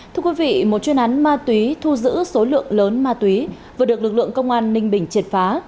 thưa quý vị một chuyên án ma túy thu giữ số lượng lớn ma túy vừa được lực lượng công an ninh bình triệt phá